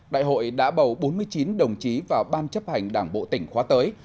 đại hội đã bầu bốn mươi chín đồng chí vào ban chấp hành đảng bộ tỉnh khóa tới